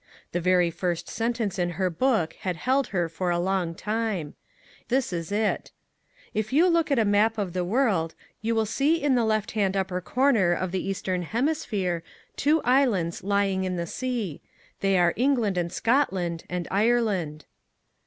The very first sentence in her book had held her for a long time. This is it :" If you look at a map of the world, you will see in the left hand upper corner of the Eastern Hemisphere, two '35 MAG AND MARGARET islands lying in the sea. They are England and Scotland, and Ireland."